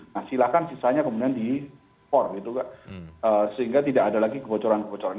nah silahkan sisanya kemudian diimpor gitu kan sehingga tidak ada lagi kebocoran kebocoran